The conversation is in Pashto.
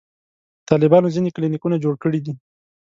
طالبانو ځینې کلینیکونه جوړ کړي دي.